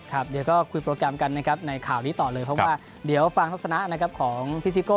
ครับเดี๋ยวก็คุยโปรแกรมกันนะครับในข่าวนี้ต่อเลยเพราะว่าเดี๋ยวฟังทัศนะนะครับของพี่ซิโก้